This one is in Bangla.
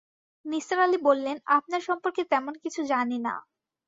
নিসার আলি বললেন, আপনার সম্পর্কে তেমন কিছু জানি না।